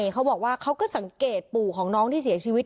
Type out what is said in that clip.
เค้าบอกว่าเค้าก็สังเกตปู่ของน้องที่เสียชีวิต